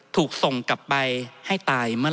ท่านประธานครับนี่คือสิ่งที่สุดท้ายของท่านครับ